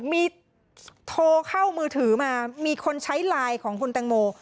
มีโทรเข้ามือถือมามีคนใช้ไลน์ของคุณแตงโม